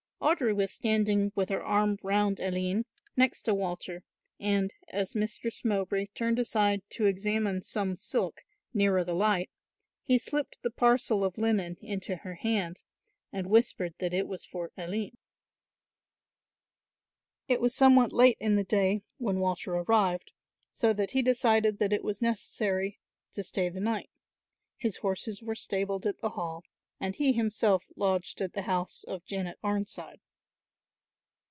Audry was standing with her arm round Aline, next to Walter, and, as Mistress Mowbray turned aside to examine some silk nearer the light, he slipped the parcel of linen into her hand and whispered that it was for Aline. Broad bands of applied embroidery. It was somewhat late in the day when Walter arrived, so that he decided that it was necessary to stay the night. His horses were stabled at the Hall and he himself lodged at the house of Janet Arnside.